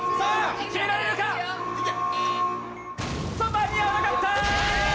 間に合わなかった。